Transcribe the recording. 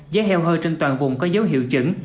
giá heo hơi trên toàn vùng có dấu hiệu chứng